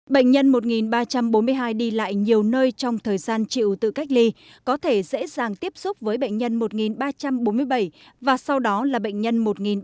bệnh nhân một ba trăm bốn mươi hai đi lại nhiều nơi trong thời gian chịu tự cách ly có thể dễ dàng tiếp xúc với bệnh nhân một ba trăm bốn mươi bảy và sau đó là bệnh nhân một nghìn bốn trăm bảy